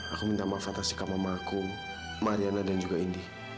aku minta maaf atas sikap mamaku mariana dan juga indi